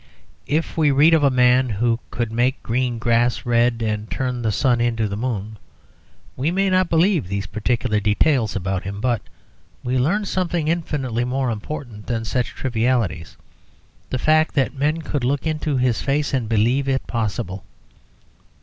If we read of a man who could make green grass red and turn the sun into the moon, we may not believe these particular details about him, but we learn something infinitely more important than such trivialities, the fact that men could look into his face and believe it possible.